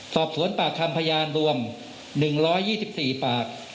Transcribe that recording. สอบสวนปากคำพยานรวม๑๒๔ปาก